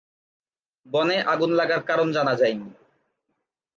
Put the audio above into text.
বনে আগুন লাগার কারণ জানা যায়নি।